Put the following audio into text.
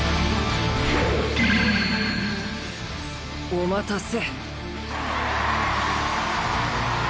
お待たせ！